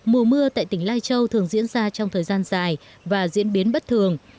mùa mưa tại tỉnh lai châu thường diễn ra trong thời gian dài và diễn biến bất thường